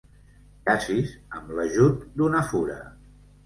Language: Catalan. Cacis amb l'ajut d'una fura.